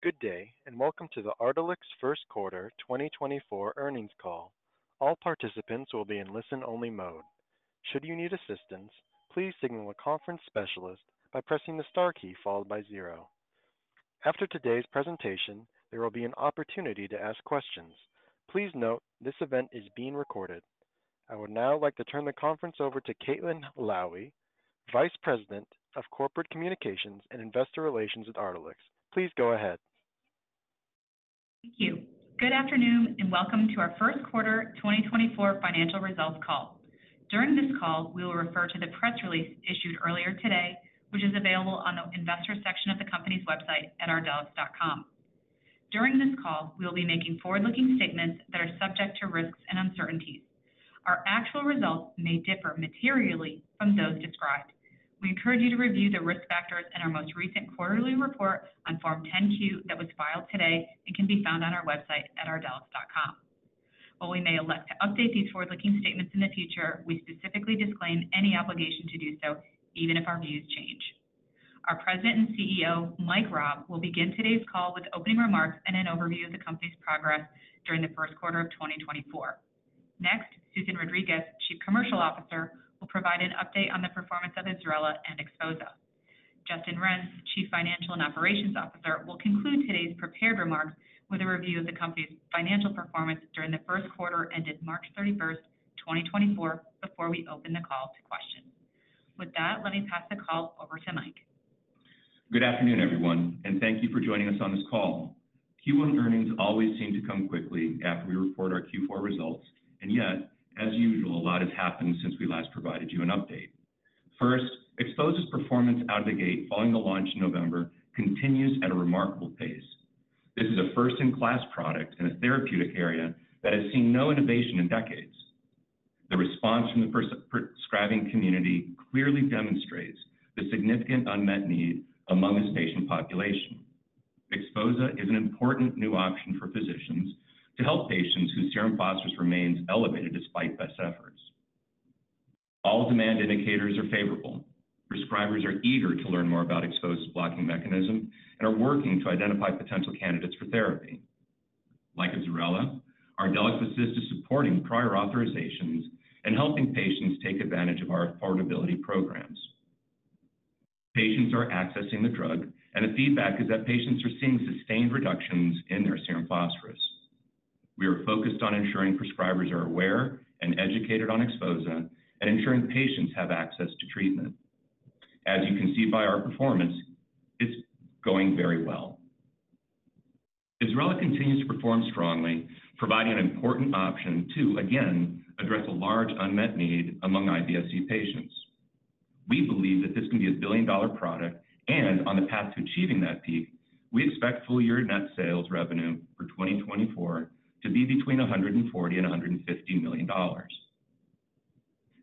Good day, and welcome to the Ardelyx First Quarter 2024 Earnings Call. All participants will be in listen-only mode. Should you need assistance, please signal a conference specialist by pressing the star key followed by zero. After today's presentation, there will be an opportunity to ask questions. Please note, this event is being recorded. I would now like to turn the conference over to Caitlin Lowie, Vice President of Corporate Communications and Investor Relations at Ardelyx. Please go ahead. Thank you. Good afternoon, and welcome to our First Quarter 2024 Financial Results Call. During this call, we will refer to the press release issued earlier today, which is available on the investor section of the company's website at ardelyx.com. During this call, we will be making forward-looking statements that are subject to risks and uncertainties. Our actual results may differ materially from those described. We encourage you to review the risk factors in our most recent quarterly report on Form 10-Q that was filed today and can be found on our website at ardelyx.com. While we may elect to update these forward-looking statements in the future, we specifically disclaim any obligation to do so, even if our views change. Our President and CEO, Mike Raab, will begin today's call with opening remarks and an overview of the company's progress during the first quarter of 2024. Next, Susan Rodriguez, Chief Commercial Officer, will provide an update on the performance of IBSRELA and XPHOZAH. Justin Renz, Chief Financial and Operations Officer, will conclude today's prepared remarks with a review of the company's financial performance during the first quarter ended March 31, 2024, before we open the call to questions. With that, let me pass the call over to Mike. Good afternoon, everyone, and thank you for joining us on this call. Q1 earnings always seem to come quickly after we report our Q4 results, and yet, as usual, a lot has happened since we last provided you an update. First, XPHOZAH's performance out of the gate following the launch in November continues at a remarkable pace. This is a first-in-class product in a therapeutic area that has seen no innovation in decades. The response from the prescribing community clearly demonstrates the significant unmet need among this patient population. XPHOZAH is an important new option for physicians to help patients whose serum phosphorus remains elevated despite best efforts. All demand indicators are favorable. Prescribers are eager to learn more about XPHOZAH's blocking mechanism and are working to identify potential candidates for therapy. Like IBSRELA, Ardelyx assists in supporting prior authorizations and helping patients take advantage of our affordability programs. Patients are accessing the drug, and the feedback is that patients are seeing sustained reductions in their serum phosphorus. We are focused on ensuring prescribers are aware and educated on XPHOZAH and ensuring patients have access to treatment. As you can see by our performance, it's going very well. IBSRELA continues to perform strongly, providing an important option to, again, address a large unmet need among IBS-C patients. We believe that this can be a billion-dollar product and on the path to achieving that peak, we expect full-year net sales revenue for 2024 to be between $140 million and $150 million.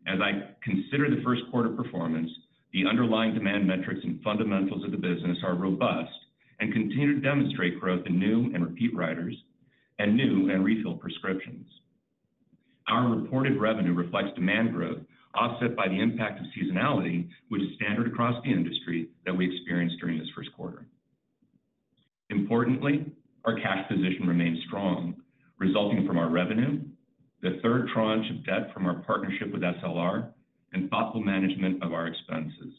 As I consider the first quarter performance, the underlying demand metrics and fundamentals of the business are robust and continue to demonstrate growth in new and repeat writers and new and refill prescriptions. Our reported revenue reflects demand growth, offset by the impact of seasonality, which is standard across the industry that we experienced during this first quarter. Importantly, our cash position remains strong, resulting from our revenue, the third tranche of debt from our partnership with SLR, and thoughtful management of our expenses.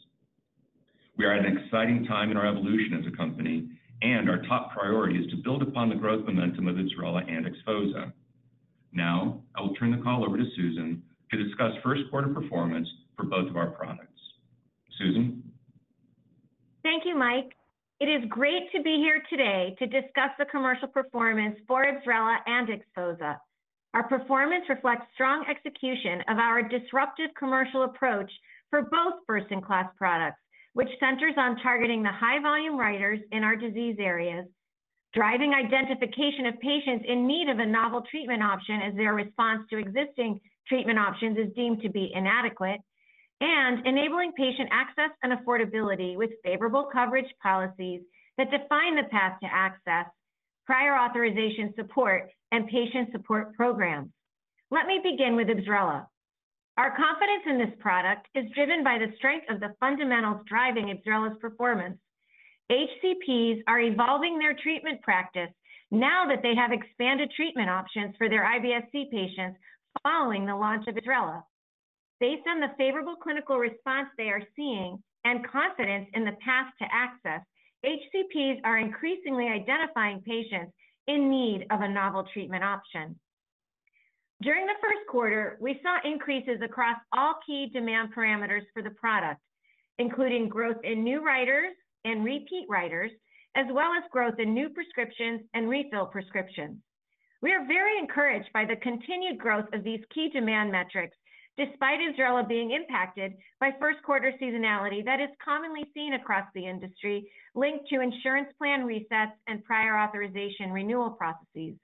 We are at an exciting time in our evolution as a company, and our top priority is to build upon the growth momentum of IBSRELA and XPHOZAH. Now, I will turn the call over to Susan to discuss first quarter performance for both of our products. Susan? Thank you, Mike. It is great to be here today to discuss the commercial performance for IBSRELA and XPHOZAH. Our performance reflects strong execution of our disruptive commercial approach for both first-in-class products, which centers on targeting the high-volume writers in our disease areas, driving identification of patients in need of a novel treatment option as their response to existing treatment options is deemed to be inadequate, and enabling patient access and affordability with favorable coverage policies that define the path to access, prior authorization support, and patient support programs. Let me begin with IBSRELA. Our confidence in this product is driven by the strength of the fundamentals driving IBSRELA's performance. HCPs are evolving their treatment practice now that they have expanded treatment options for their IBS-C patients following the launch of IBSRELA. Based on the favorable clinical response they are seeing and confidence in the path to access, HCPs are increasingly identifying patients in need of a novel treatment option. During the first quarter, we saw increases across all key demand parameters for the product, including growth in new writers and repeat writers, as well as growth in new prescriptions and refill prescriptions. We are very encouraged by the continued growth of these key demand metrics, despite IBSRELA being impacted by first quarter seasonality that is commonly seen across the industry, linked to insurance plan resets and prior authorization renewal processes.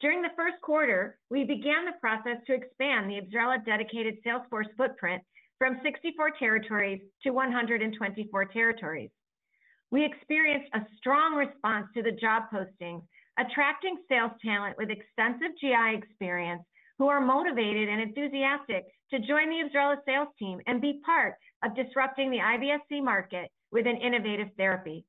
During the first quarter, we began the process to expand the IBSRELA dedicated sales force footprint from 64 territories to 124 territories. We experienced a strong response to the job postings, attracting sales talent with extensive GI experience, who are motivated and enthusiastic to join the IBSRELA sales team and be part of disrupting the IBS-C market with an innovative therapy.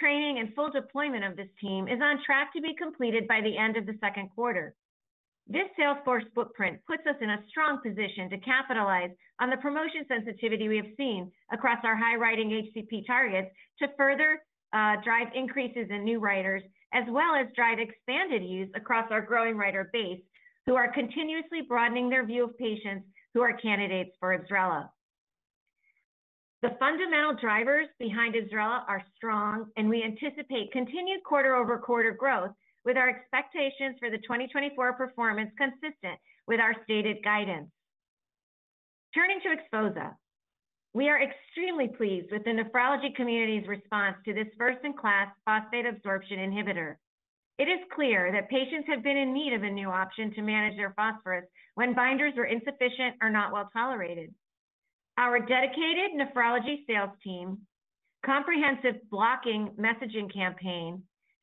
Training and full deployment of this team is on track to be completed by the end of the second quarter. This salesforce footprint puts us in a strong position to capitalize on the promotion sensitivity we have seen across our high writing HCP targets to further drive increases in new writers, as well as drive expanded use across our growing writer base, who are continuously broadening their view of patients who are candidates for IBSRELA. The fundamental drivers behind IBSRELA are strong, and we anticipate continued quarter-over-quarter growth, with our expectations for the 2024 performance consistent with our stated guidance. Turning to XPHOZAH. We are extremely pleased with the nephrology community's response to this first-in-class phosphate absorption inhibitor. It is clear that patients have been in need of a new option to manage their phosphorus when binders are insufficient or not well tolerated. Our dedicated nephrology sales team, comprehensive blocking messaging campaign,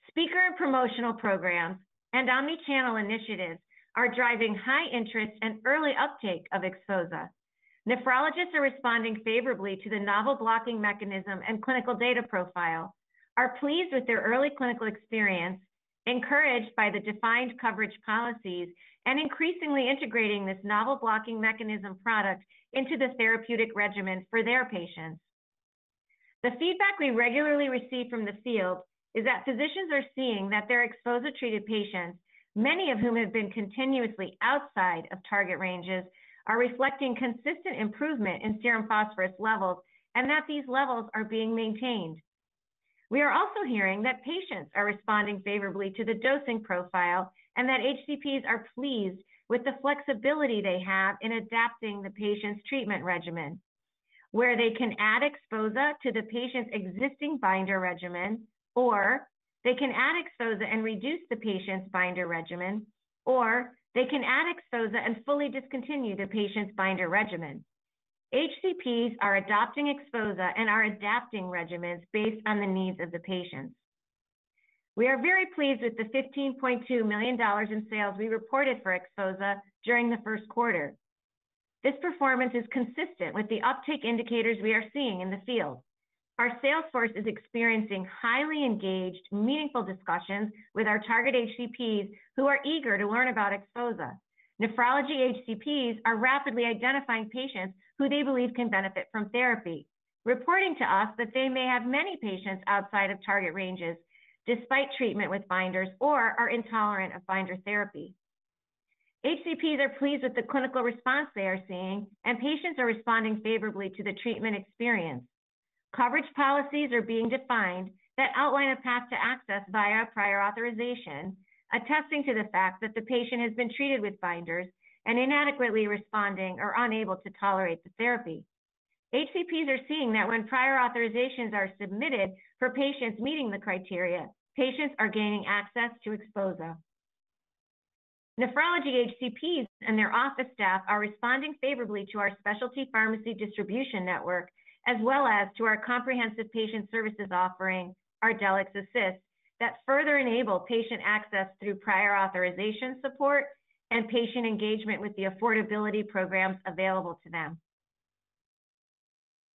speaker and promotional programs, and omni-channel initiatives are driving high interest and early uptake of XPHOZAH. Nephrologists are responding favorably to the novel blocking mechanism and clinical data profile, are pleased with their early clinical experience, encouraged by the defined coverage policies, and increasingly integrating this novel blocking mechanism product into the therapeutic regimen for their patients. The feedback we regularly receive from the field is that physicians are seeing that their XPHOZAH-treated patients, many of whom have been continuously outside of target ranges, are reflecting consistent improvement in serum phosphorus levels and that these levels are being maintained. We are also hearing that patients are responding favorably to the dosing profile and that HCPs are pleased with the flexibility they have in adapting the patient's treatment regimen, where they can add XPHOZAH to the patient's existing binder regimen, or they can add XPHOZAH and reduce the patient's binder regimen, or they can add XPHOZAH and fully discontinue the patient's binder regimen. HCPs are adopting XPHOZAH and are adapting regimens based on the needs of the patients. We are very pleased with the $15.2 million in sales we reported for XPHOZAH during the first quarter. This performance is consistent with the uptake indicators we are seeing in the field. Our sales force is experiencing highly engaged, meaningful discussions with our target HCPs, who are eager to learn about XPHOZAH. Nephrology HCPs are rapidly identifying patients who they believe can benefit from therapy, reporting to us that they may have many patients outside of target ranges, despite treatment with binders or are intolerant of binder therapy. HCPs are pleased with the clinical response they are seeing, and patients are responding favorably to the treatment experience. Coverage policies are being defined that outline a path to access via prior authorization, attesting to the fact that the patient has been treated with binders and inadequately responding or unable to tolerate the therapy. HCPs are seeing that when prior authorizations are submitted for patients meeting the criteria, patients are gaining access to XPHOZAH. Nephrology HCPs and their office staff are responding favorably to our specialty pharmacy distribution network, as well as to our comprehensive patient services offering, ArdelyxAssist, that further enable patient access through prior authorization support and patient engagement with the affordability programs available to them.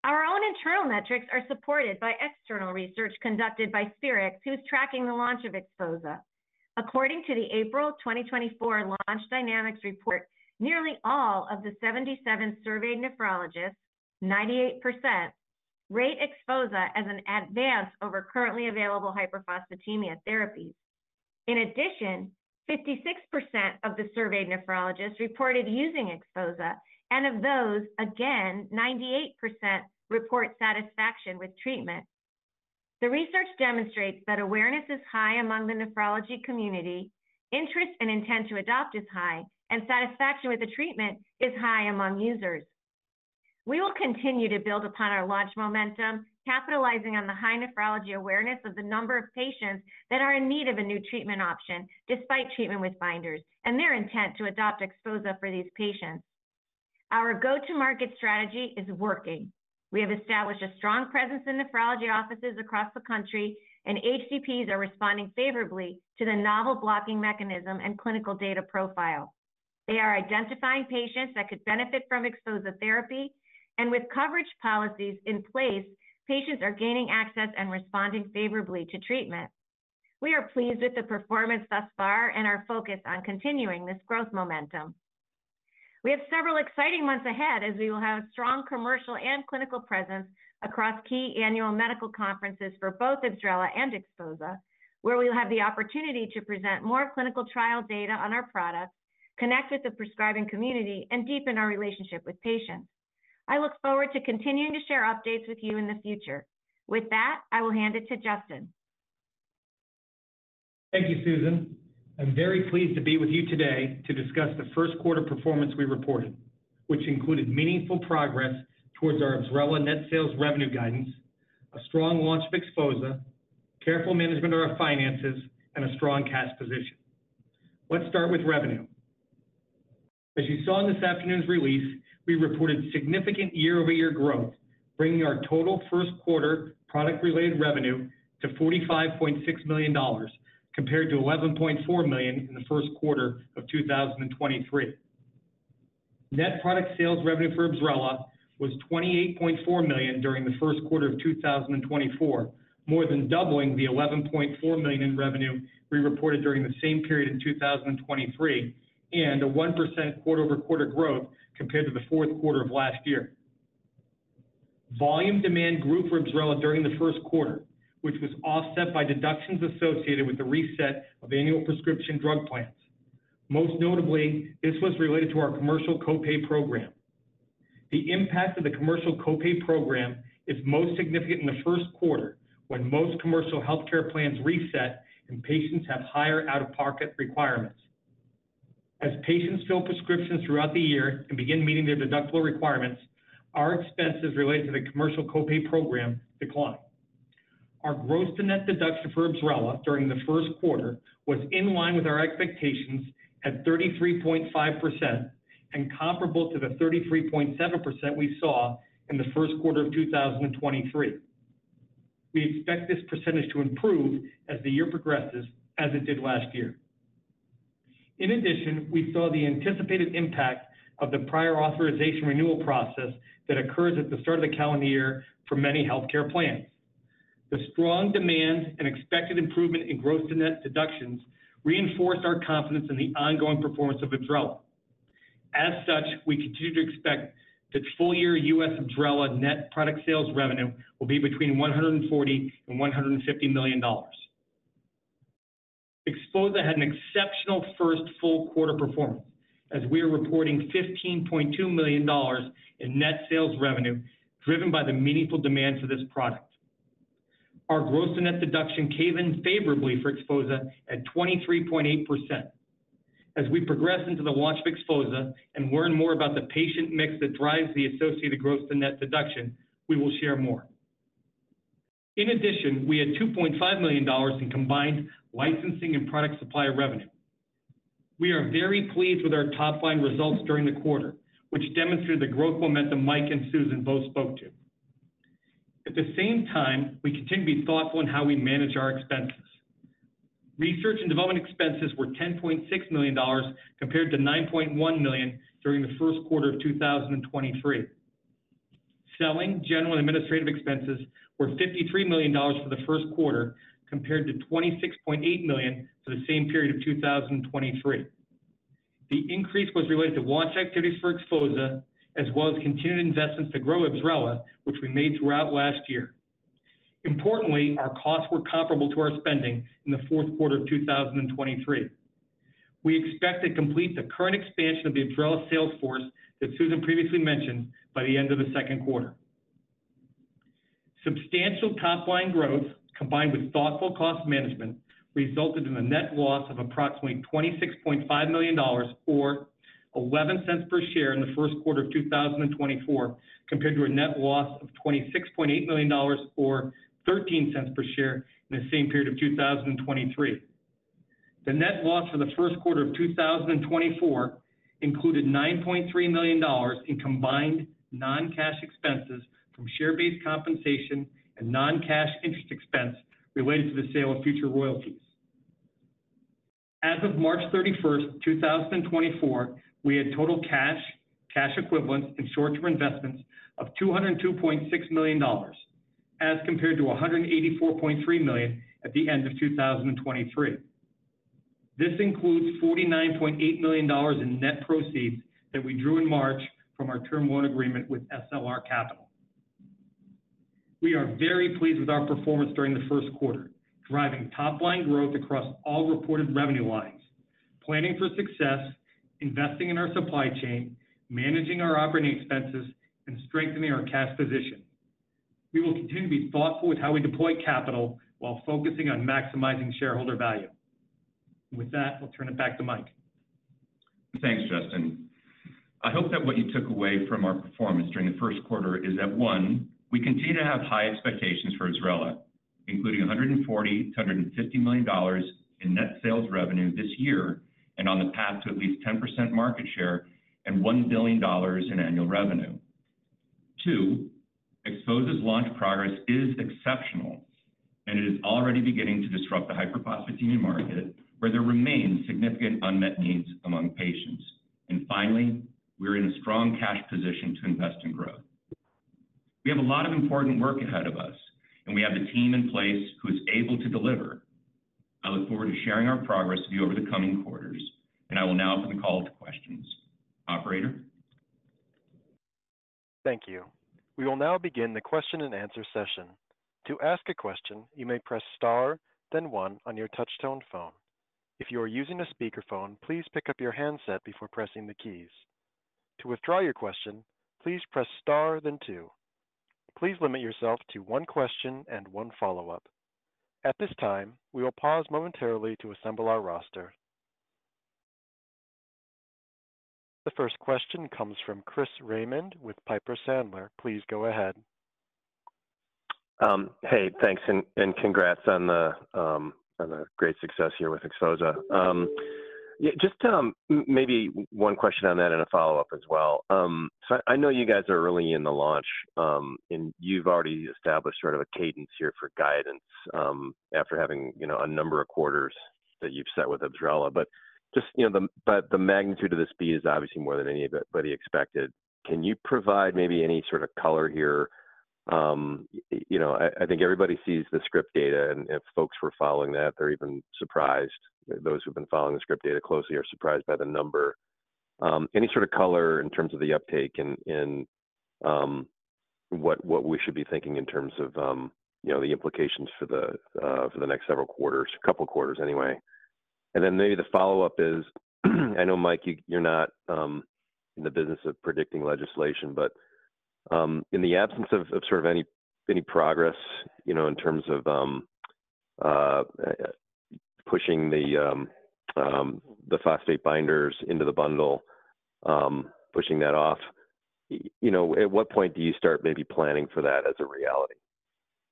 Our own internal metrics are supported by external research conducted by Spherix, who's tracking the launch of XPHOZAH. According to the April 2024 Launch Dynamix report, nearly all of the 77 surveyed nephrologists, 98%, rate XPHOZAH as an advance over currently available hyperphosphatemia therapies. In addition, 56% of the surveyed nephrologists reported using XPHOZAH, and of those, again, 98% report satisfaction with treatment. The research demonstrates that awareness is high among the nephrology community, interest and intent to adopt is high, and satisfaction with the treatment is high among users. We will continue to build upon our launch momentum, capitalizing on the high nephrology awareness of the number of patients that are in need of a new treatment option, despite treatment with binders and their intent to adopt XPHOZAH for these patients. Our go-to-market strategy is working. We have established a strong presence in nephrology offices across the country, and HCPs are responding favorably to the novel blocking mechanism and clinical data profile. They are identifying patients that could benefit from XPHOZAH therapy, and with coverage policies in place, patients are gaining access and responding favorably to treatment. We are pleased with the performance thus far and are focused on continuing this growth momentum. We have several exciting months ahead as we will have a strong commercial and clinical presence across key annual medical conferences for both IBSRELA and XPHOZAH, where we will have the opportunity to present more clinical trial data on our products, connect with the prescribing community, and deepen our relationship with patients. I look forward to continuing to share updates with you in the future. With that, I will hand it to Justin. Thank you, Susan. I'm very pleased to be with you today to discuss the first quarter performance we reported, which included meaningful progress towards our IBSRELA net sales revenue guidance, a strong launch of XPHOZAH, careful management of our finances, and a strong cash position. Let's start with revenue. As you saw in this afternoon's release, we reported significant year-over-year growth, bringing our total first quarter product-related revenue to $45.6 million, compared to $11.4 million in the first quarter of 2023. Net product sales revenue for IBSRELA was $28.4 million during the first quarter of 2024, more than doubling the $11.4 million in revenue we reported during the same period in 2023, and a 1% quarter-over-quarter growth compared to the fourth quarter of last year. Volume demand grew for IBSRELA during the first quarter, which was offset by deductions associated with the reset of annual prescription drug plans. Most notably, this was related to our commercial co-pay program. The impact of the commercial co-pay program is most significant in the first quarter, when most commercial healthcare plans reset and patients have higher out-of-pocket requirements. As patients fill prescriptions throughout the year and begin meeting their deductible requirements, our expenses related to the commercial co-pay program decline. Our gross to net deduction for IBSRELA during the first quarter was in line with our expectations at 33.5% and comparable to the 33.7% we saw in the first quarter of 2023. We expect this percentage to improve as the year progresses, as it did last year. In addition, we saw the anticipated impact of the prior authorization renewal process that occurs at the start of the calendar year for many healthcare plans. The strong demand and expected improvement in gross to net deductions reinforce our confidence in the ongoing performance of IBSRELA. As such, we continue to expect that full-year U.S. IBSRELA net product sales revenue will be between $140 million and $150 million. XPHOZAH had an exceptional first full quarter performance, as we are reporting $15.2 million in net sales revenue, driven by the meaningful demand for this product. Our gross to net deduction came in favorably for XPHOZAH at 23.8%. As we progress into the launch of XPHOZAH and learn more about the patient mix that drives the associated gross to net deduction, we will share more. In addition, we had $2.5 million in combined licensing and product supplier revenue. We are very pleased with our top-line results during the quarter, which demonstrated the growth momentum Mike and Susan both spoke to. At the same time, we continue to be thoughtful in how we manage our expenses. Research and development expenses were $10.6 million, compared to $9.1 million during the first quarter of 2023. Selling general and administrative expenses were $53 million for the first quarter, compared to $26.8 million for the same period of 2023. The increase was related to launch activities for XPHOZAH, as well as continued investments to grow IBSRELA, which we made throughout last year. Importantly, our costs were comparable to our spending in the fourth quarter of 2023. We expect to complete the current expansion of the IBSRELA sales force that Susan previously mentioned by the end of the second quarter. Substantial top-line growth, combined with thoughtful cost management, resulted in a net loss of approximately $26.5 million, or $0.11 per share in the first quarter of 2024, compared to a net loss of $26.8 million, or $0.13 per share in the same period of 2023. The net loss for the first quarter of 2024 included $9.3 million in combined non-cash expenses from share-based compensation and non-cash interest expense related to the sale of future royalties. As of March 31st, 2024, we had total cash, cash equivalents, and short-term investments of $202.6 million, as compared to $184.3 million at the end of 2023. This includes $49.8 million in net proceeds that we drew in March from our term loan agreement with SLR Capital. We are very pleased with our performance during the first quarter, driving top-line growth across all reported revenue lines, planning for success, investing in our supply chain, managing our operating expenses, and strengthening our cash position. We will continue to be thoughtful with how we deploy capital while focusing on maximizing shareholder value. With that, I'll turn it back to Mike. Thanks, Justin. I hope that what you took away from our performance during the first quarter is that, one, we continue to have high expectations for IBSRELA, including $140 million-$150 million in net sales revenue this year and on the path to at least 10% market share and $1 billion in annual revenue. Two, XPHOZAH's launch progress is exceptional, and it is already beginning to disrupt the hyperphosphatemia market, where there remains significant unmet needs among patients. And finally, we're in a strong cash position to invest in growth. We have a lot of important work ahead of us, and we have the team in place who is able to deliver. I look forward to sharing our progress with you over the coming quarters, and I will now open the call to questions. Operator? Thank you. We will now begin the question-and-answer session. To ask a question, you may press star, then one on your touch-tone phone. If you are using a speakerphone, please pick up your handset before pressing the keys. To withdraw your question, please press star then two. Please limit yourself to one question and one follow-up. At this time, we will pause momentarily to assemble our roster. The first question comes from Chris Raymond with Piper Sandler. Please go ahead. Hey, thanks, and congrats on the great success here with XPHOZAH. Yeah, just maybe one question on that and a follow-up as well. So I know you guys are early in the launch, and you've already established sort of a cadence here for guidance, after having, you know, a number of quarters that you've set with AbbVie. But just, you know, the magnitude of the speed is obviously more than anybody expected. Can you provide maybe any sort of color here? You know, I think everybody sees the script data, and if folks were following that, they're even surprised. Those who've been following the script data closely are surprised by the number. Any sort of color in terms of the uptake and what we should be thinking in terms of, you know, the implications for the next several quarters, couple quarters anyway? And then maybe the follow-up is, I know, Mike, you're not in the business of predicting legislation, but, in the absence of sort of any progress, you know, in terms of pushing the phosphate binders into the bundle, pushing that off, you know, at what point do you start maybe planning for that as a reality?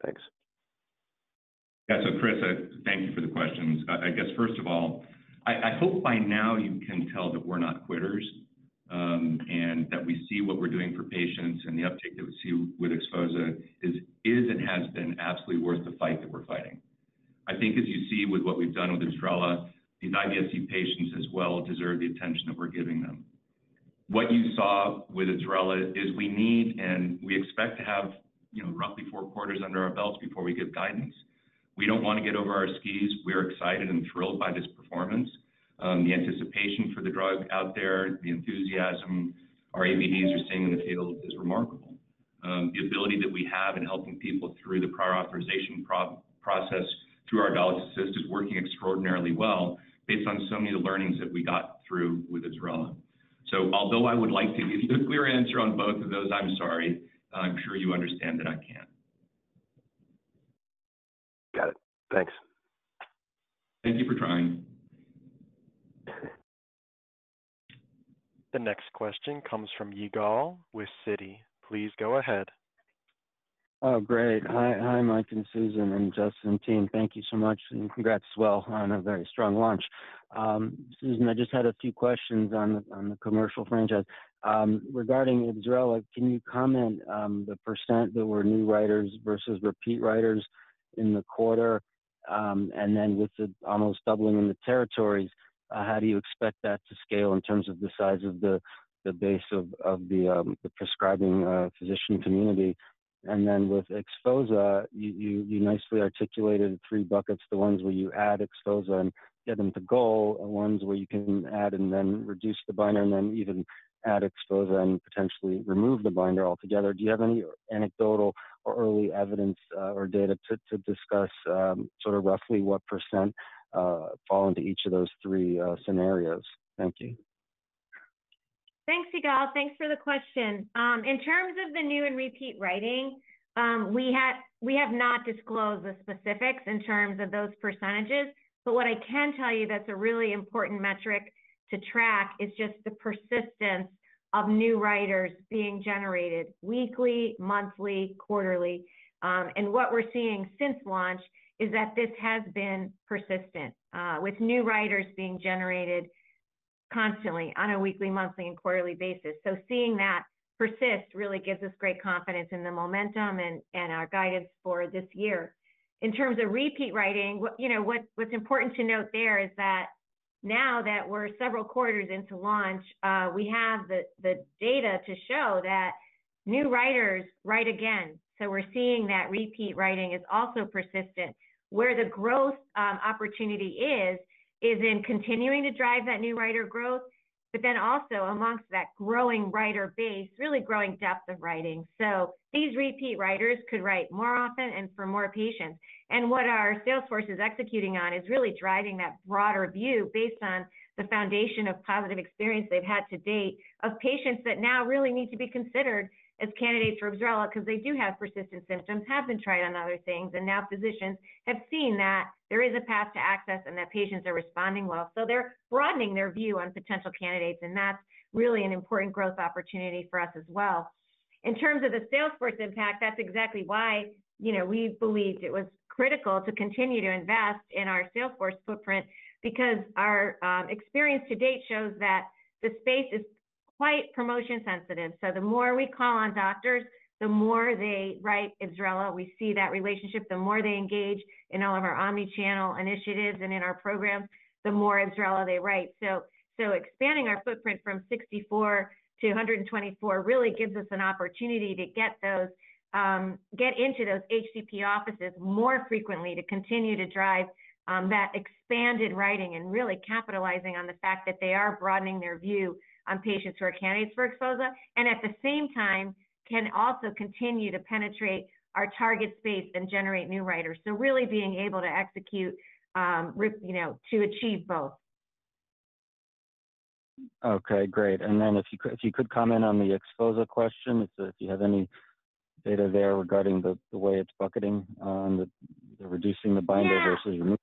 Thanks. Yeah. So, Chris, thank you for the questions. I guess, first of all, I hope by now you can tell that we're not quitters, and that we see what we're doing for patients, and the uptake that we see with XPHOZAH is and has been absolutely worth the fight that we're fighting. I think, as you see with what we've done with IBSRELA, these IBS-C patients as well deserve the attention that we're giving them. What you saw with IBSRELA is we need, and we expect to have, you know, roughly four quarters under our belt before we give guidance. We don't want to get over our skis. We're excited and thrilled by this performance. The anticipation for the drug out there, the enthusiasm our ABBs are seeing in the field is remarkable. The ability that we have in helping people through the prior authorization process, through ArdelyxAssist is working extraordinarily well based on so many learnings that we got through with IBSRELA. So although I would like to give you a clear answer on both of those, I'm sorry, I'm sure you understand that I can't. Got it. Thanks. Thank you for trying. The next question comes from Yigal with Citi. Please go ahead. Oh, great. Hi, hi, Mike and Susan and Justin team. Thank you so much, and congrats as well on a very strong launch. Susan, I just had a few questions on the commercial franchise. Regarding IBSRELA, can you comment the percent that were new writers versus repeat writers in the quarter? And then with the almost doubling in the territories, how do you expect that to scale in terms of the size of the base of the prescribing physician community? And then with XPHOZAH, you nicely articulated three buckets, the ones where you add XPHOZAH and get them to go, and ones where you can add and then reduce the binder, and then even add XPHOZAH and potentially remove the binder altogether. Do you have any anecdotal or early evidence or data to discuss, sort of roughly what percent fall into each of those three scenarios? Thank you. Thanks, Yigal. Thanks for the question. In terms of the new and repeat writing, we have not disclosed the specifics in terms of those percentages, but what I can tell you, that's a really important metric to track is just the persistence of new writers being generated weekly, monthly, quarterly. And what we're seeing since launch is that this has been persistent, with new writers being generated constantly on a weekly, monthly, and quarterly basis. So seeing that persist really gives us great confidence in the momentum and our guidance for this year. In terms of repeat writing, you know, what's important to note there is that now that we're several quarters into launch, we have the data to show that new writers write again. So we're seeing that repeat writing is also persistent. Where the growth opportunity is, is in continuing to drive that new writer growth, but then also amongst that growing writer base, really growing depth of writing. So these repeat writers could write more often and for more patients. And what our sales force is executing on is really driving that broader view based on the foundation of positive experience they've had to date of patients that now really need to be considered as candidates for IBSRELA because they do have persistent symptoms, have been tried on other things, and now physicians have seen that there is a path to access and that patients are responding well. So they're broadening their view on potential candidates, and that's really an important growth opportunity for us as well. In terms of the sales force impact, that's exactly why, you know, we believed it was critical to continue to invest in our sales force footprint because our experience to date shows that the space is quite promotion sensitive. So the more we call on doctors, the more they write IBSRELA. We see that relationship. The more they engage in all of our omni-channel initiatives and in our programs, the more IBSRELA they write. So, so expanding our footprint from 64 to 124 really gives us an opportunity to get those, get into those HCP offices more frequently, to continue to drive, that expanded writing and really capitalizing on the fact that they are broadening their view on patients who are candidates for XPHOZAH, and at the same time, can also continue to penetrate our target space and generate new writers. So really being able to execute, you know, to achieve both. Okay, great. And then if you could comment on the XPHOZAH question, if you have any data there regarding the way it's bucketing, the reducing the binder-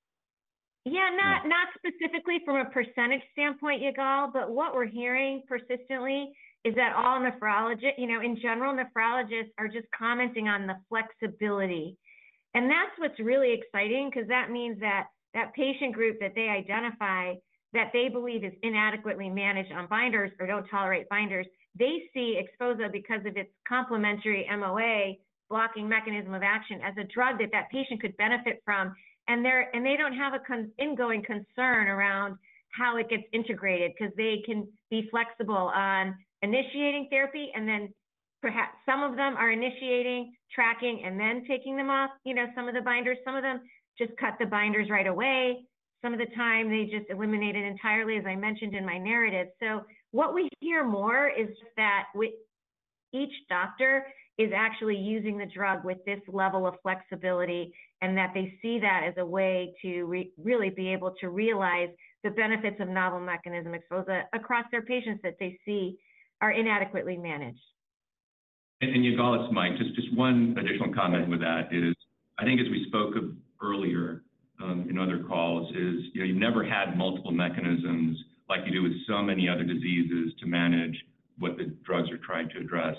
Yeah -versus remove? Yeah, not, not specifically from a percentage standpoint, Yigal, but what we're hearing persistently is that all nephrologists—you know, in general, nephrologists are just commenting on the flexibility. And that's what's really exciting because that means that that patient group that they identify, that they believe is inadequately managed on binders or don't tolerate binders, they see XPHOZAH because of its complementary MOA blocking mechanism of action as a drug that that patient could benefit from. And they're—and they don't have an ongoing concern around how it gets integrated because they can be flexible on initiating therapy and then perhaps some of them are initiating, tracking, and then taking them off, you know, some of the binders. Some of them just cut the binders right away. Some of the time, they just eliminate it entirely, as I mentioned in my narrative. So what we hear more is that each doctor is actually using the drug with this level of flexibility, and that they see that as a way to really be able to realize the benefits of novel mechanism XPHOZAH across their patients that they see are inadequately managed. Yigal, it's Mike. Just, just one additional comment with that is, I think as we spoke of earlier, in other calls, is, you know, you've never had multiple mechanisms like you do with so many other diseases to manage what the drugs are trying to address.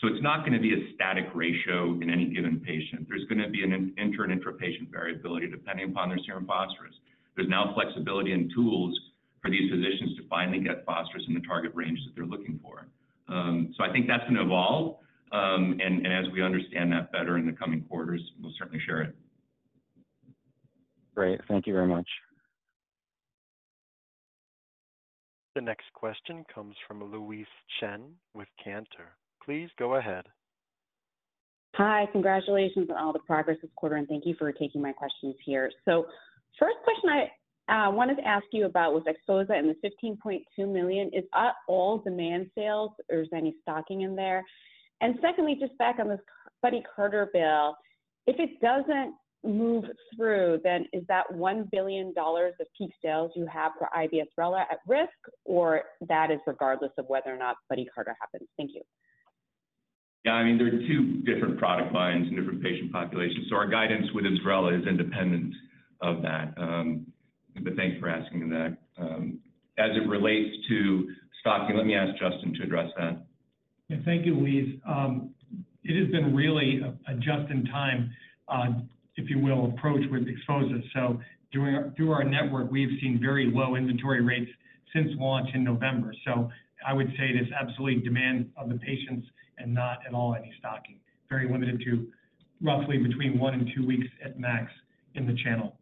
So it's not going to be a static ratio in any given patient. There's going to be an inter- and intra-patient variability depending upon their serum phosphorus. There's now flexibility and tools for these physicians to finally get phosphorus in the target range that they're looking for. So I think that's going to evolve, and, and as we understand that better in the coming quarters, we'll certainly share it. Great. Thank you very much. The next question comes from Louise Chen with Cantor. Please go ahead. Hi, congratulations on all the progress this quarter, and thank you for taking my questions here. First question I wanted to ask you about was XPHOZAH and the $15.2 million. Is that all demand sales or is there any stocking in there? And secondly, just back on this Buddy Carter bill, if it doesn't move through, then is that $1 billion of peak sales you have for IBSRELA at risk, or that is regardless of whether or not Buddy Carter happens? Thank you. Yeah, I mean, they're two different product lines and different patient populations, so our guidance with IBSRELA is independent of that. But thanks for asking that. As it relates to stocking, let me ask Justin to address that. Yeah, thank you, Louise. It has been really a just-in-time, if you will, approach with XPHOZAH. So through our network, we've seen very low inventory rates since launch in November. So I would say it is absolutely demand of the patients and not at all any stocking. Very limited to roughly between one and two weeks at max in the channel.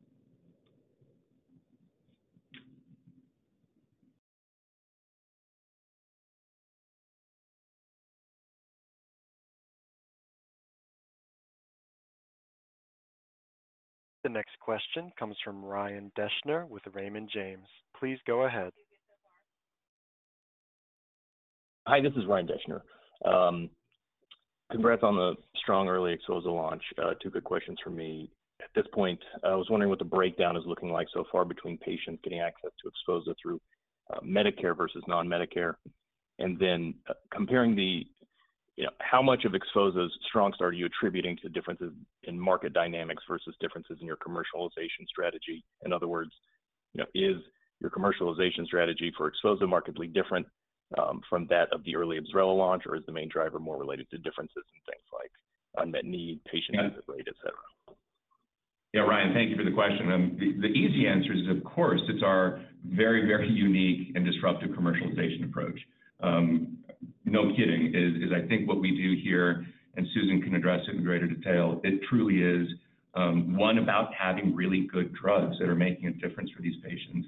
The next question comes from Ryan Deschner with Raymond James. Please go ahead. Hi, this is Ryan Deschner. Congrats on the strong early XPHOZAH launch. Two quick questions for me. At this point, I was wondering what the breakdown is looking like so far between patients getting access to XPHOZAH through Medicare versus non-Medicare. And then, comparing the, you know, how much of XPHOZAH's strong start are you attributing to differences in market dynamics versus differences in your commercialization strategy? In other words, you know, is your commercialization strategy for XPHOZAH markedly different from that of the early IBSRELA launch, or is the main driver more related to differences in things like unmet need, patient access rate, et cetera? Yeah, Ryan, thank you for the question. The easy answer is, of course, it's our very, very unique and disruptive commercialization approach. No kidding, I think what we do here, and Susan can address it in greater detail, it truly is one about having really good drugs that are making a difference for these patients.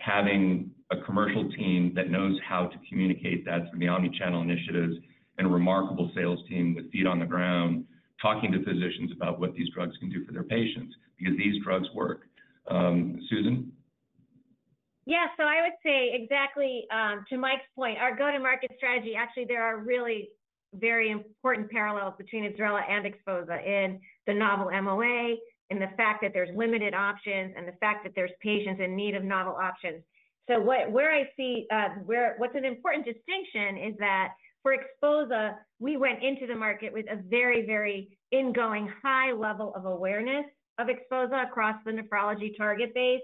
Having a commercial team that knows how to communicate that through the omni-channel initiatives and a remarkable sales team with feet on the ground, talking to physicians about what these drugs can do for their patients because these drugs work. Susan? Yeah. So I would say exactly, to Mike's point, our go-to-market strategy, actually, there are really very important parallels between IBSRELA and XPHOZAH in the novel MOA, and the fact that there's limited options, and the fact that there's patients in need of novel options. So, where I see, what's an important distinction is that for XPHOZAH, we went into the market with a very, very going-in high level of awareness of XPHOZAH across the nephrology target base,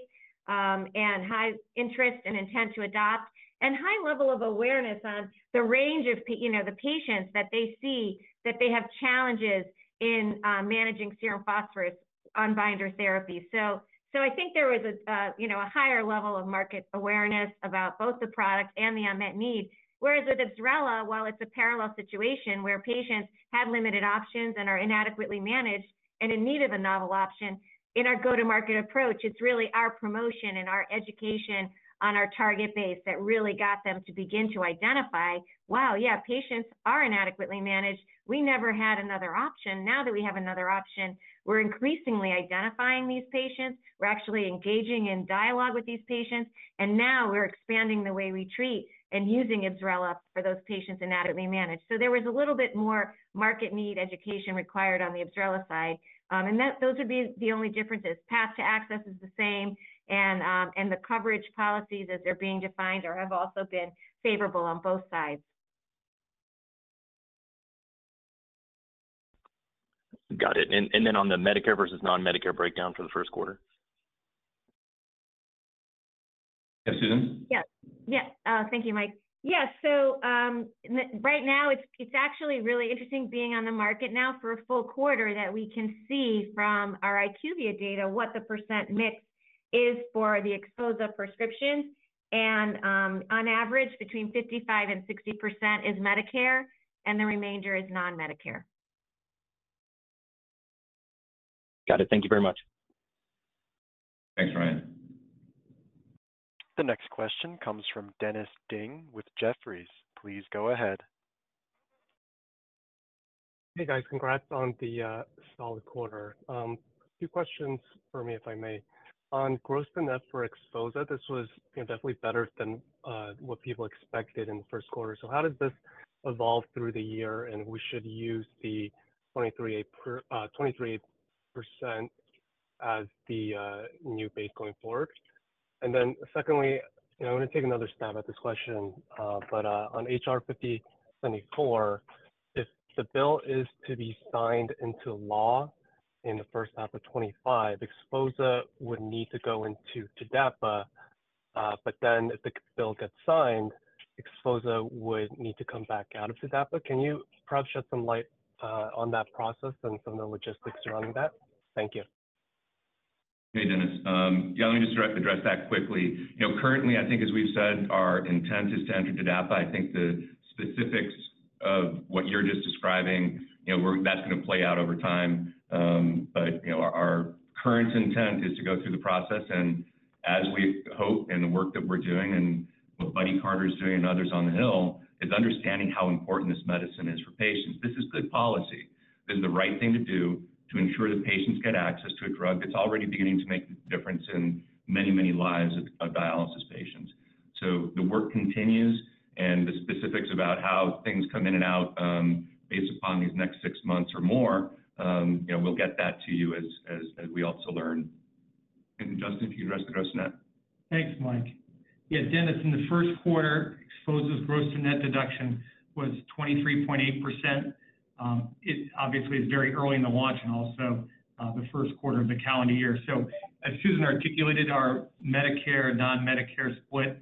and high interest and intent to adopt, and high level of awareness on the range of patients you know, the patients that they see, that they have challenges in, managing serum phosphorus on binder therapy. So, so I think there was a, you know, a higher level of market awareness about both the product and the unmet need. Whereas with IBSRELA, while it's a parallel situation where patients have limited options and are inadequately managed and in need of a novel option, in our go-to-market approach, it's really our promotion and our education on our target base that really got them to begin to identify, "Wow, yeah, patients are inadequately managed. We never had another option." Now that we have another option, we're increasingly identifying these patients. We're actually engaging in dialogue with these patients, and now we're expanding the way we treat and using IBSRELA for those patients inadequately managed. So there was a little bit more market need education required on the IBSRELA side, and those are the only differences. Path to access is the same, and the coverage policies as they're being defined or have also been favorable on both sides. Got it. And then on the Medicare versus non-Medicare breakdown for the first quarter?... Yes, Susan? Yeah. Yeah, thank you, Mike. Yeah, so right now, it's actually really interesting being on the market now for a full quarter, that we can see from our IQVIA data what the percent mix is for the XPHOZAH prescription. And on average, between 55% and 60% is Medicare, and the remainder is non-Medicare. Got it. Thank you very much. Thanks, Ryan. The next question comes from Dennis Ding with Jefferies. Please go ahead. Hey, guys. Congrats on the solid quarter. Two questions for me, if I may. On gross to net for XPHOZAH, this was, you know, definitely better than what people expected in the first quarter. So how does this evolve through the year? And we should use the 23% as the new base going forward. And then secondly, you know, I'm gonna take another stab at this question, but on H.R. 5574, if the bill is to be signed into law in the first half of 2025, XPHOZAH would need to go into TDAPA. But then if the bill gets signed, XPHOZAH would need to come back out of TDAPA. Can you perhaps shed some light on that process and some of the logistics surrounding that? Thank you. Hey, Dennis. Yeah, let me just address that quickly. You know, currently, I think as we've said, our intent is to enter TDAPA. I think the specifics of what you're just describing, you know, we're, that's gonna play out over time. But, you know, our current intent is to go through the process. And as we hope, and the work that we're doing, and what Buddy Carter is doing, and others on the Hill, is understanding how important this medicine is for patients. This is good policy. This is the right thing to do to ensure that patients get access to a drug that's already beginning to make a difference in many, many lives of dialysis patients. The work continues, and the specifics about how things come in and out, based upon these next six months or more, you know, we'll get that to you as we also learn. Justin, if you'd address the gross net. Thanks, Mike. Yeah, Dennis, in the first quarter, XPHOZAH's gross to net deduction was 23.8%. It obviously is very early in the launch and also the first quarter of the calendar year. So as Susan articulated, our Medicare, non-Medicare split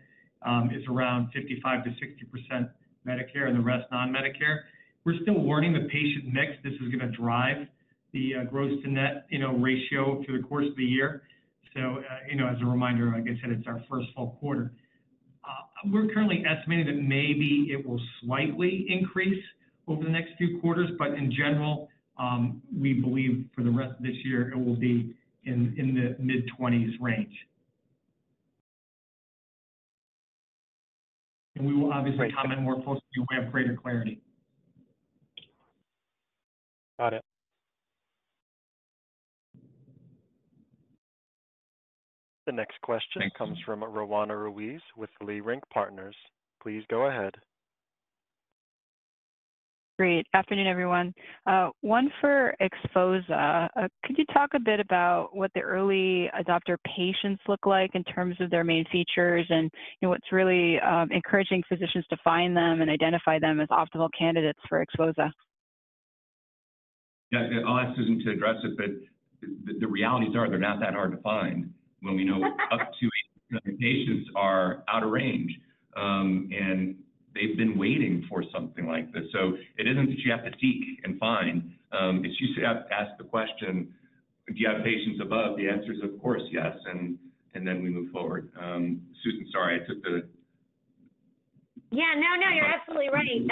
is around 55%-60% Medicare, and the rest non-Medicare. We're still learning the patient mix. This is gonna drive the gross to net, you know, ratio through the course of the year. So, you know, as a reminder, like I said, it's our first full quarter. We're currently estimating that maybe it will slightly increase over the next few quarters, but in general, we believe for the rest of this year, it will be in the mid-20s range. And we will obviously comment more closely when we have greater clarity. Got it. The next question- Thank you. comes from Roanna Ruiz with Leerink Partners. Please go ahead. Good afternoon, everyone. One for XPHOZAH. Could you talk a bit about what the early adopter patients look like in terms of their main features and, you know, what's really encouraging physicians to find them and identify them as optimal candidates for XPHOZAH? Yeah, I'll ask Susan to address it, but the realities are, they're not that hard to find. When we know up to 80 patients are out of range, and they've been waiting for something like this. So it isn't that you have to seek and find, it's you should ask, ask the question: "Do you have patients above?" The answer is, "Of course, yes." And then we move forward. Susan, sorry, I took the- Yeah, no, no, you're absolutely right. And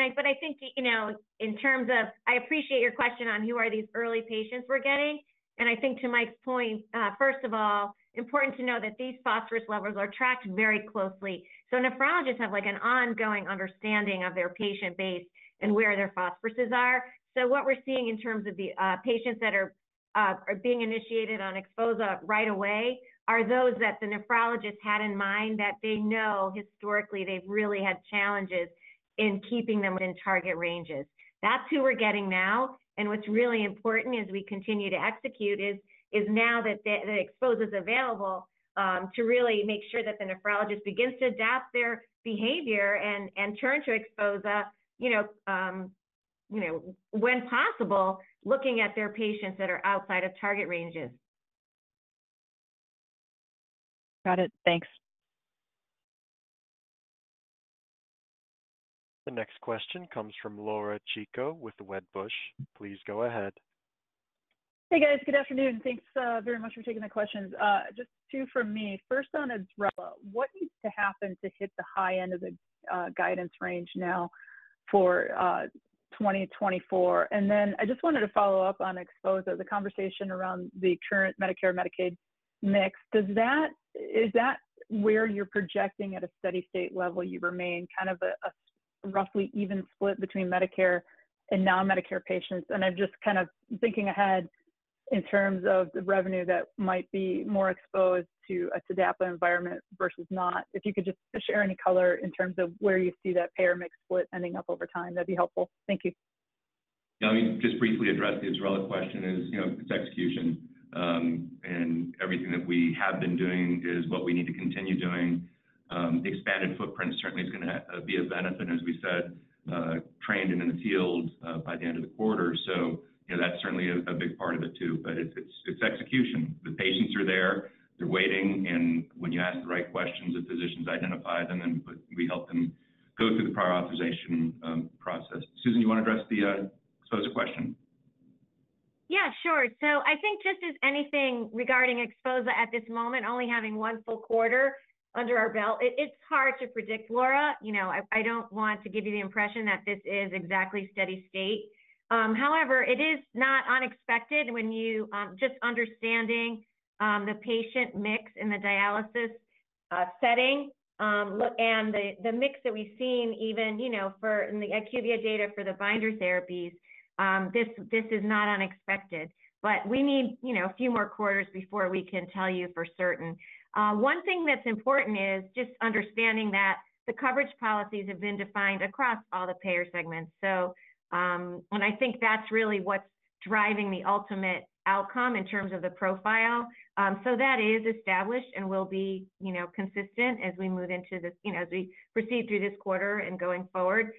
I—but I think, you know, in terms of... I appreciate your question on who are these early patients we're getting. And I think to Mike's point, first of all, important to know that these phosphorus levels are tracked very closely. So nephrologists have, like, an ongoing understanding of their patient base and where their phosphoruses are. So what we're seeing in terms of the patients that are being initiated on XPHOZAH right away, are those that the nephrologist had in mind that they know historically, they've really had challenges in keeping them within target ranges. That's who we're getting now. What's really important as we continue to execute is now that the XPHOZAH is available, to really make sure that the nephrologist begins to adapt their behavior and turn to XPHOZAH, you know, when possible, looking at their patients that are outside of target ranges. Got it. Thanks. The next question comes from Laura Chico with Wedbush. Please go ahead. Hey, guys. Good afternoon. Thanks, very much for taking the questions. Just two from me. First, on IBSRELA, what needs to happen to hit the high end of the guidance range now for 2024? And then I just wanted to follow up on XPHOZAH, the conversation around the current Medicare/Medicaid mix. Is that where you're projecting at a steady state level, you remain kind of a roughly even split between Medicare and non-Medicare patients? And I'm just kind of thinking ahead in terms of the revenue that might be more exposed to a TDAPA environment versus not. If you could just share any color in terms of where you see that payer mix split ending up over time, that'd be helpful. Thank you. Yeah, let me just briefly address the IBSRELA question is, you know, it's execution. And everything that we have been doing is what we need to continue doing. Expanded footprint certainly is going to be a benefit, as we said, trained and in the field by the end of the quarter. So, you know, that's certainly a big part of it too, but it's execution. The patients are there, they're waiting, and when you ask the right questions, the physicians identify them, and then we help them go through the prior authorization process. Susan, you want to address the XPHOZAH question? Yeah, sure. So I think just as anything regarding XPHOZAH at this moment, only having one full quarter under our belt, it's hard to predict, Laura. You know, I don't want to give you the impression that this is exactly steady state. However, it is not unexpected when you just understanding the patient mix in the dialysis setting and the mix that we've seen even, you know, for in the IQVIA data for the binder therapies, this is not unexpected. But we need, you know, a few more quarters before we can tell you for certain. One thing that's important is just understanding that the coverage policies have been defined across all the payer segments, so, and I think that's really what's driving the ultimate outcome in terms of the profile. So that is established and will be, you know, consistent as we move into this, you know, as we proceed through this quarter and going forward,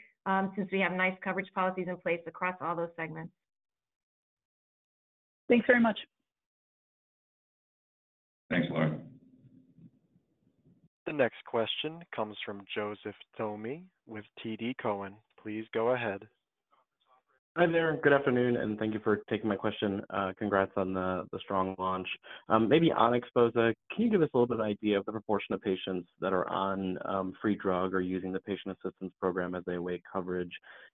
since we have nice coverage policies in place across all those segments. Thanks very much. Thanks, Laura. The next question comes from Joseph Thome with TD Cowen. Please go ahead. Hi there. Good afternoon, and thank you for taking my question. Congrats on the strong launch. Maybe on XPHOZAH, can you give us a little bit of idea of the proportion of patients that are on free drug or using the patient assistance program as they await coverage?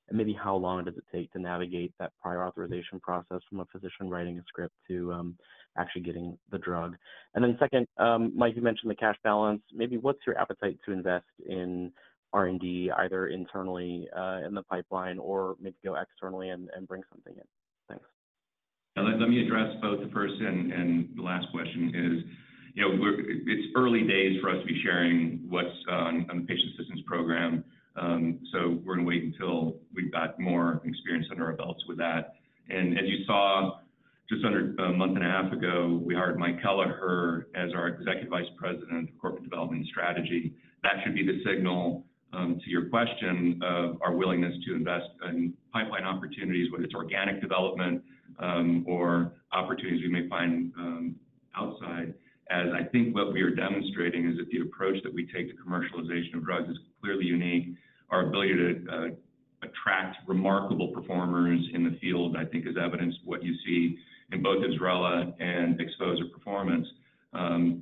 And maybe how long does it take to navigate that prior authorization process, from a physician writing a script to actually getting the drug? And then second, Mike, you mentioned the cash balance. Maybe what's your appetite to invest in R&D, either internally in the pipeline, or maybe go externally and bring something in? Thanks. Let me address both the first and the last question. You know, it's early days for us to be sharing what's on the patient assistance program. So we're going to wait until we've got more experience under our belts with that. And as you saw, just under a month and a half ago, we hired Mike Kelliher as our Executive Vice President of Corporate Development Strategy. That should be the signal to your question of our willingness to invest in pipeline opportunities, whether it's organic development or opportunities we may find outside. As I think what we are demonstrating is that the approach that we take to commercialization of drugs is clearly unique. Our ability to attract remarkable performers in the field, I think, is evidence of what you see in both IBSRELA and XPHOZAH performance.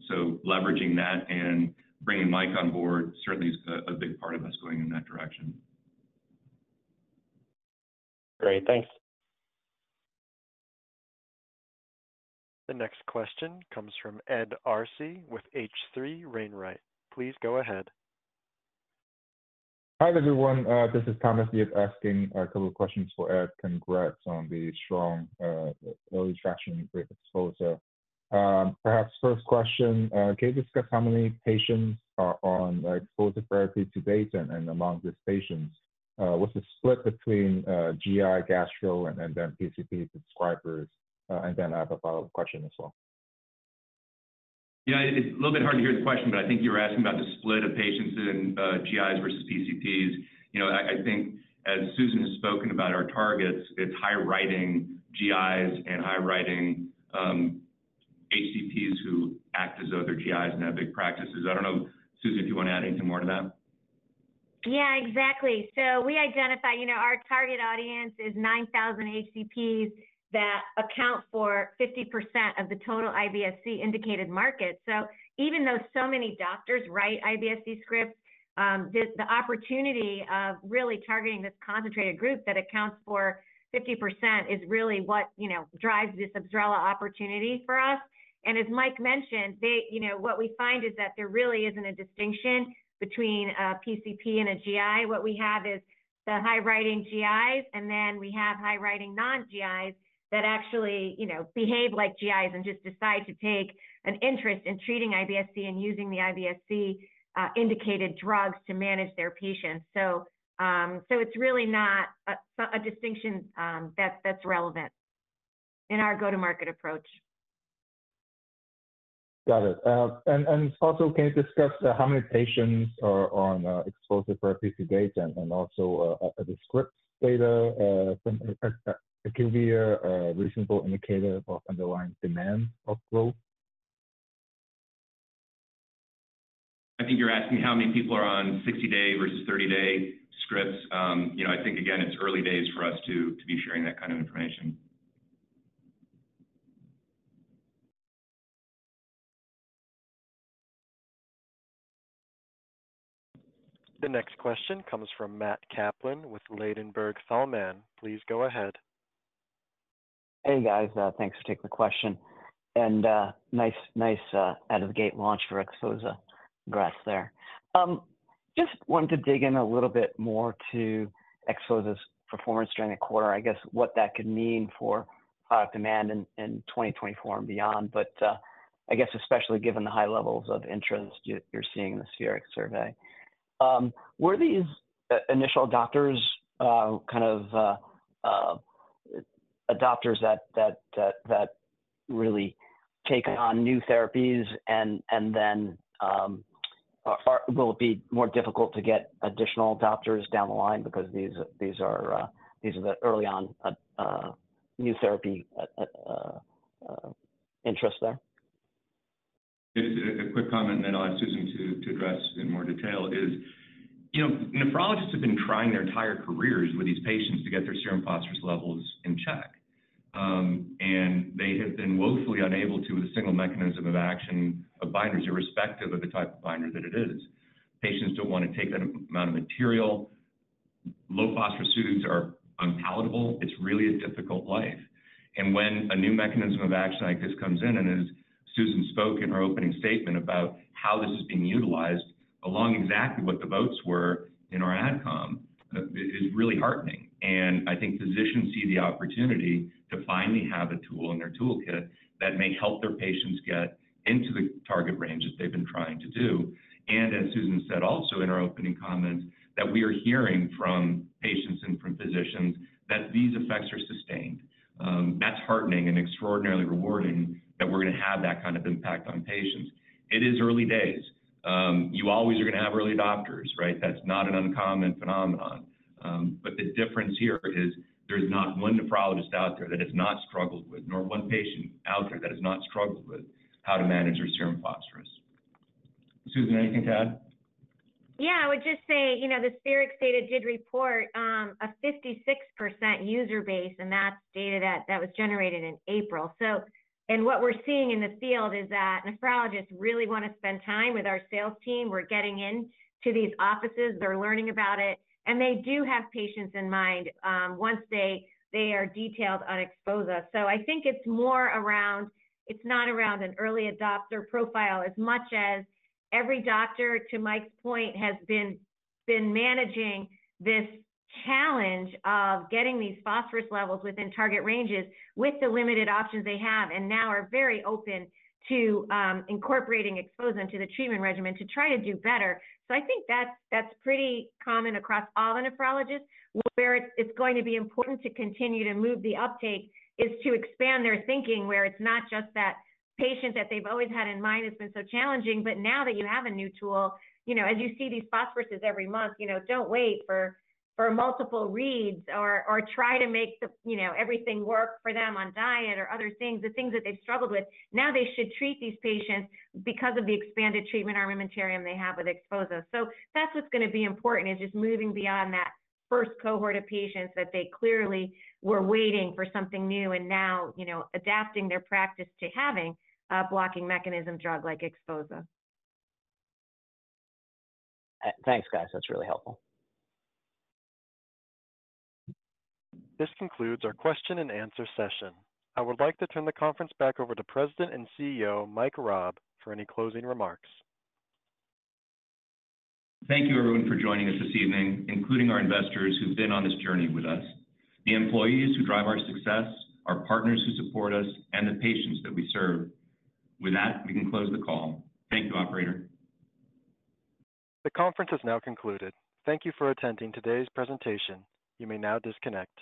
So leveraging that and bringing Mike on board certainly is a big part of us going in that direction. Great. Thanks. The next question comes from Ed Arce with H.C. Wainwright. Please go ahead. Hi, everyone. This is Thomas Yip asking a couple of questions for Ed. Congrats on the strong early traction with XPHOZAH. Perhaps first question, can you discuss how many patients are on XPHOZAH therapy to date? And among these patients, what's the split between GI, gastro, and then PCP prescribers? And then I have a follow-up question as well. Yeah, it's a little bit hard to hear the question, but I think you were asking about the split of patients in GIs versus PCPs. You know, I, I think as Susan has spoken about our targets, it's high-writing GIs and high-writing HCPs who act as other GIs and have big practices. I don't know, Susan, if you want to add anything more to that. Yeah, exactly. So we identify, you know, our target audience is 9,000 HCPs that account for 50% of the total IBS-C indicated market. So even though so many doctors write IBS-C scripts, the opportunity of really targeting this concentrated group that accounts for 50% is really what, you know, drives this IBSRELA opportunity for us. And as Mike mentioned, they, you know, what we find is that there really isn't a distinction between a PCP and a GI. What we have is the high-writing GIs, and then we have high-writing non-GIs that actually, you know, behave like GIs and just decide to take an interest in treating IBS-C and using the IBS-C indicated drugs to manage their patients. So, so it's really not a distinction that's relevant in our go-to-market approach. Got it. And also, can you discuss how many patients are on XPHOZAH therapy to date and also the script data, IQVIA, a reasonable indicator of underlying demand outflow? I think you're asking how many people are on 60-day versus 30-day scripts. You know, I think, again, it's early days for us to be sharing that kind of information. The next question comes from Matt Kaplan with Ladenburg Thalmann. Please go ahead. Hey, guys. Thanks for taking the question. And, nice, nice, out of the gate launch for XPHOZAH. Congrats there. Just wanted to dig in a little bit more to XPHOZAH's performance during the quarter. I guess, what that could mean for product demand in, in 2024 and beyond, but, I guess especially given the high levels of interest you're seeing in the Spherix survey. Were these initial doctors kind of adopters that really take on new therapies and then, are-- will it be more difficult to get additional doctors down the line because these are the early on new therapy interest there? Just a quick comment, and then I'll ask Susan to address in more detail. You know, nephrologists have been trying their entire careers with these patients to get their serum phosphorus levels in check. And they have been woefully unable to with a single mechanism of action, of binders, irrespective of the type of binder that it is. Patients don't want to take that amount of material. Low phosphorus foods are unpalatable. It's really a difficult life. And when a new mechanism of action like this comes in, and as Susan spoke in her opening statement about how this is being utilized, along exactly what the votes were in our AdCom, is really heartening. I think physicians see the opportunity to finally have a tool in their toolkit that may help their patients get into the target range that they've been trying to do. And as Susan said also in her opening comments, that we are hearing from patients and from physicians that these effects are sustained. That's heartening and extraordinarily rewarding that we're gonna have that kind of impact on patients. It is early days. You always are gonna have early adopters, right? That's not an uncommon phenomenon. But the difference here is there's not one nephrologist out there that has not struggled with, nor one patient out there that has not struggled with, how to manage their serum phosphorus. Susan, anything to add? Yeah, I would just say, you know, the Spherix data did report a 56% user base, and that's data that, that was generated in April. So, and what we're seeing in the field is that nephrologists really want to spend time with our sales team. We're getting into these offices. They're learning about it, and they do have patients in mind once they, they are detailed on XPHOZAH. So I think it's more around, it's not around an early adopter profile as much as every doctor, to Mike's point, has been, been managing this challenge of getting these phosphorus levels within target ranges with the limited options they have, and now are very open to incorporating XPHOZAH into the treatment regimen to try to do better. So I think that's, that's pretty common across all the nephrologists. Where it's going to be important to continue to move the uptake is to expand their thinking, where it's not just that patient that they've always had in mind has been so challenging. But now that you have a new tool, you know, as you see these phosphorus every month, you know, don't wait for multiple reads or try to make the, you know, everything work for them on diet or other things, the things that they've struggled with. Now, they should treat these patients because of the expanded treatment armamentarium they have with XPHOZAH. So that's what's gonna be important, is just moving beyond that first cohort of patients that they clearly were waiting for something new and now, you know, adapting their practice to having a blocking mechanism drug like XPHOZAH. Thanks, guys. That's really helpful. This concludes our question and answer session. I would like to turn the conference back over to President and CEO, Mike Raab, for any closing remarks. Thank you, everyone, for joining us this evening, including our investors who've been on this journey with us, the employees who drive our success, our partners who support us, and the patients that we serve. With that, we can close the call. Thank you, operator. The conference has now concluded. Thank you for attending today's presentation. You may now disconnect.